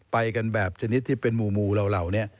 ไปกันแบบชนิดที่เป็นหมู่เหล่านี้